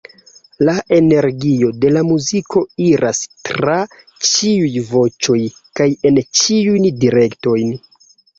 La energio de la muziko iras tra ĉiuj voĉoj kaj en ĉiujn direktojn.